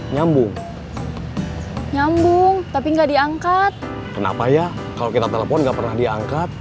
nyambung nyambung tapi enggak diangkat kenapa ya kalau kita telepon nggak pernah diangkat